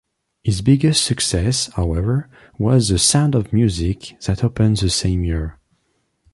His biggest success, however, was "The Sound of Music" that opened the same year.